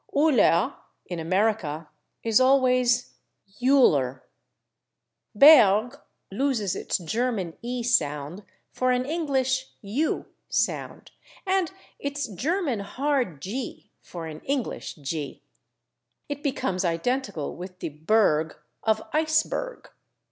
/Uhler/, in America, is always /Youler/. /Berg/ loses its German /e/ sound for an English /u/ sound, and its German hard /g/ for an English /g/; it becomes identical with the /berg/ of /iceberg